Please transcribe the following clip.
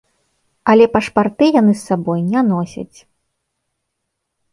Але пашпарты яны з сабой не носяць.